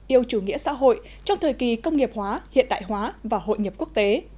yêu chủ nghĩa xã hội trong thời kỳ công nghiệp hóa hiện đại hóa và hội nhập quốc tế